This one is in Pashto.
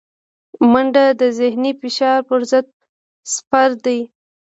منډه د ذهني فشار پر ضد سپر دی